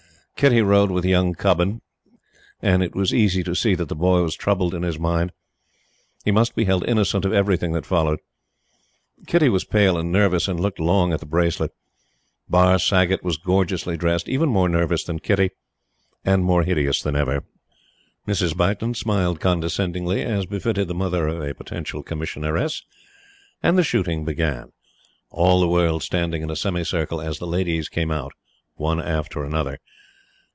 Kitty rode with young Cubbon, and it was easy to see that the boy was troubled in his mind. He must be held innocent of everything that followed. Kitty was pale and nervous, and looked long at the bracelet. Barr Saggott was gorgeously dressed, even more nervous than Kitty, and more hideous than ever. Mrs. Beighton smiled condescendingly, as befitted the mother of a potential Commissioneress, and the shooting began; all the world standing in a semicircle as the ladies came out one after the other.